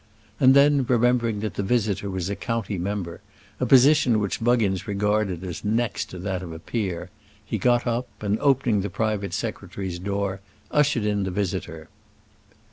And then, remembering that the visitor was a county member a position which Buggins regarded as next to that of a peer he got up, and, opening the private secretary's door, ushered in the visitor.